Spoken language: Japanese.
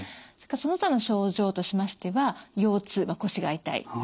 それからその他の症状としましては腰痛腰が痛い。